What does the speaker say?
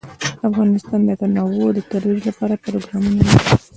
افغانستان د تنوع د ترویج لپاره پروګرامونه لري.